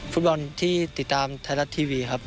ฟุตบอลที่ติดตามไทยรัฐทีวีครับ